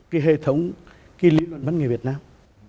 cái hệ thống kỳ lĩnh văn nghệ việt nam